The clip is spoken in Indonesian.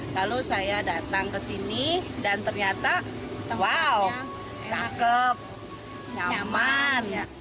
lalu saya datang ke sini dan ternyata wow take nyaman